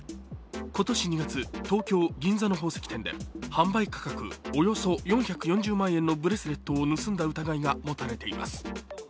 今年２月、東京・銀座の宝石店で販売価格およそ４４０万円のブレスレットを盗んだ疑いが持たれています。